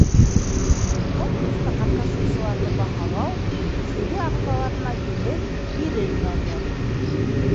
Конкурста ҡатнашыусыларҙы баһалау жюри ағзаларына еңел бирелмәне.